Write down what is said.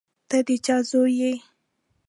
ته د چا زوی یې؟